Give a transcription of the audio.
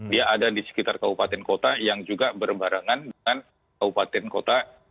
dia ada di sekitar kabupaten kota yang juga berbarengan dengan kabupaten kota